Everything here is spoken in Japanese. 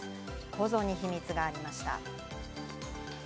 構造に秘密がありました。